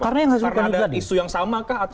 karena ada isu yang sama kah